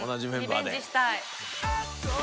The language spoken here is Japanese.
リベンジしたい。